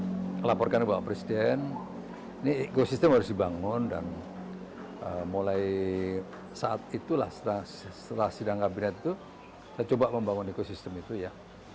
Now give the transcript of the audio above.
saya laporkan ke bapak presiden ini ekosistem harus dibangun dan mulai saat itulah setelah sidang kabinet itu kita coba membangun ekosistem itu ya